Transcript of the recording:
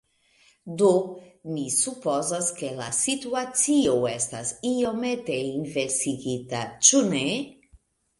Do mi supozas ke la situacio estas iomete inversigita ĉu ne?